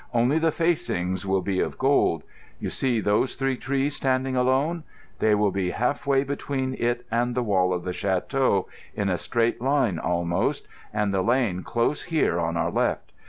"Only the facings will be of gold. You see those three trees standing alone? They will be half way between it and the wall of the château—in a straight line almost; and the lane close here on our left.